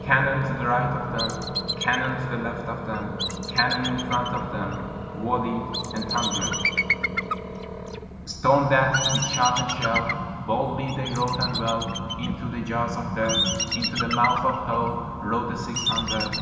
Cannon to the right of them, Cannon to the left of them, Cannon in front of them Volleyed and thunder'd; Storm'd at with shot and shell, Boldly they rode and well, Into the jaws of Death, Into the mouth of Hell, Rode the six hundred.